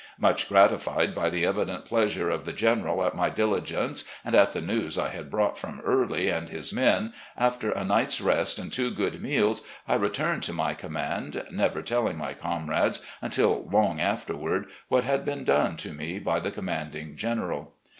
Much gratified by the evident pleasure of the General at my diligence and at the news I had brought from Early and his men, after a night's rest and two good meals I returned to my command, never telling my comrades until long afterward what had been done to me by the commanding general.